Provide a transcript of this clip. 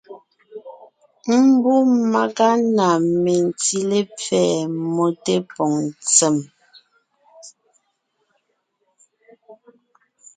Mbú màga na mentí lepfɛ́ mmó tépòŋ ntsèm,